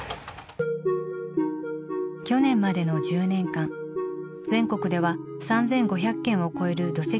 去年までの１０年間全国では３５００件を超える土石流災害が発生。